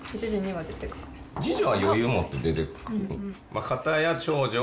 次女は余裕もって出ていく。